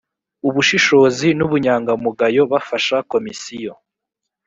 ubushishozi n ubunyangamugayo bafasha komisiyo